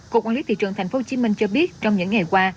cục quản lý thị trường tp hcm cho biết trong những ngày qua